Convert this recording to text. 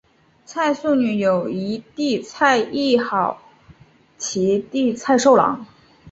蔡素女有一姊蔡亦好及一弟蔡寿郎。